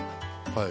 はい。